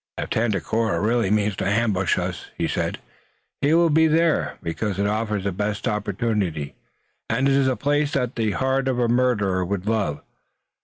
"If Tandakora really means to ambush us," he said, "he will be there, because it offers the best opportunity, and it is a place that the heart of a murderer would love.